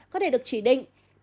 có thể được chỉ định